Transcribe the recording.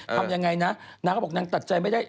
ทำยังไงนะนางก็บอกนางตัดใจไม่ได้